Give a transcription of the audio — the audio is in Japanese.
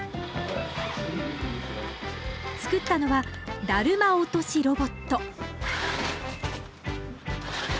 作ったのはだるま落としロボット